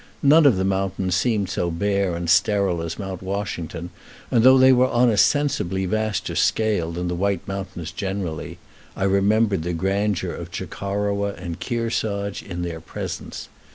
None of the mountains seemed so bare and sterile as Mount Washington, and though they were on a sensibly vaster scale than the White Mountains generally, I remembered the grandeur of Chocorua and Kearsarge in their presence.